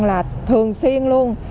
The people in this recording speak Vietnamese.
là thường xuyên luôn